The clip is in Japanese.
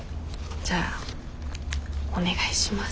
じゃあお願いします。